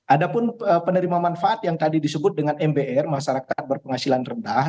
ada pun penerima manfaat yang tadi disebut dengan mbr masyarakat berpenghasilan rendah